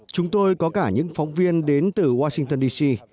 chúng tôi có cả những phóng viên đến từ washington dc